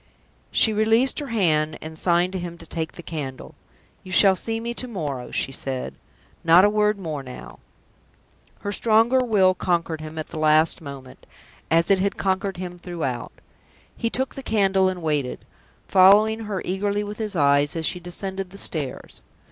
She released her hand, and signed to him to take the candle. "You shall see me to morrow," she said. "Not a word more now!" Her stronger will conquered him at that last moment, as it had conquered him throughout. He took the candle and waited, following her eagerly with his eyes as she descended the stairs.